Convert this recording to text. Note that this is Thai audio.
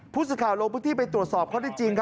ผู้สาขาโรคพื้นที่ไปตรวจสอบเขาได้จริง